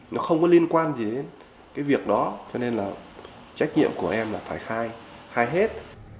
nó không có liên quan gì đến cái việc đó cho nên là trách nhiệm của em là phải khai khai hết